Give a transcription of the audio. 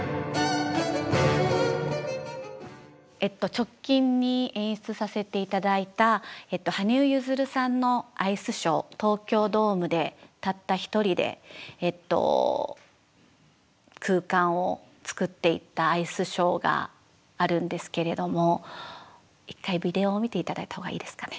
直近に演出させて頂いた東京ドームでたった一人で空間を作っていったアイスショーがあるんですけれども一回ビデオを見て頂いたほうがいいですかね。